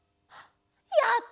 やった！